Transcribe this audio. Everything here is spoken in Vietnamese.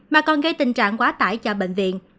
mà còn gây tình trạng quá tải cho bệnh viện